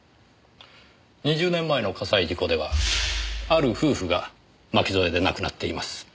２０年前の火災事故ではある夫婦が巻き添えで亡くなっています。